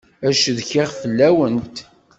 Ad ccetkiɣ fell-awent.